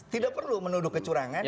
tidak perlu menuduh kecurangan